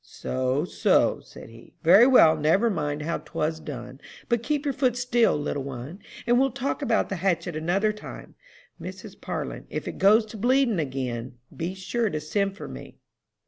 "'So, so,' said he. 'Very well, never mind how 'twas done, but keep your foot still, little one, and we'll talk about the hatchet another time. Mrs. Parlin, if it goes to bleeding again, be sure to send for me.'"